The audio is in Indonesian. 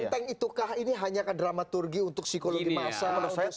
seenteng itukah ini hanya ke dramaturgi untuk psikologi masyarakat